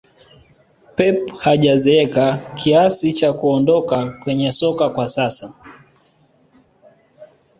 pep hajazeeka kiasi cha kuondoka kwenye soka kwa sasa